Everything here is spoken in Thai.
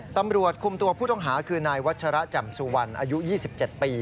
ตำรวจคุมตัวผู้ต้องหาคือนายวัชระแจ่มสุวรรณอายุ๒๗ปี